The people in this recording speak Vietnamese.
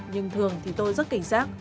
nhưng thường thì tôi rất cảnh giác